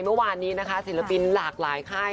เมื่อวานนี้นะคะศิลปินหลากหลายค่าย